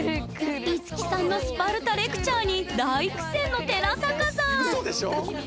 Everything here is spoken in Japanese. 樹さんのスパルタレクチャーに大苦戦の寺坂さんうそでしょ？